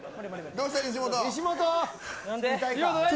どうした、西本。